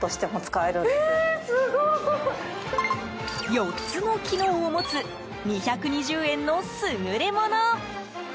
４つの機能を持つ２２０円の優れもの。